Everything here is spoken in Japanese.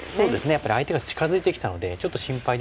やっぱり相手が近づいてきたのでちょっと心配ですけども。